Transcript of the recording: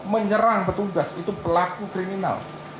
menyerang petugas itu pelaku kriminal